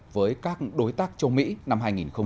với các đối tác châu mỹ năm hai nghìn hai mươi